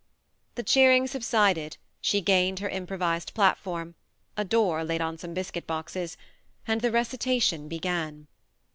The cheering subsided, she gained her improvised platform a door laid on. some biscuit boxes and the recita tion began.